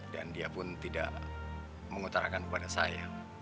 dan dia pun tidak mengutarakan kepada saya